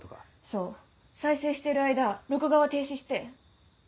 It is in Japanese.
そう再生してる間録画は停止して。